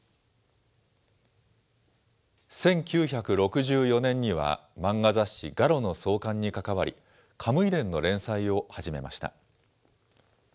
１９６４年には漫画雑誌、ガロの創刊に関わり、カムイ伝の連載を始めました。